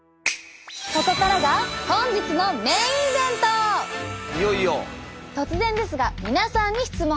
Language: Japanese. ここからが本日の突然ですが皆さんに質問です。